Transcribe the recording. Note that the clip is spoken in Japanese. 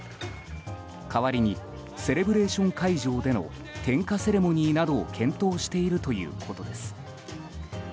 代わりにセレブレーション会場での点火セレモニーを検討しているということです。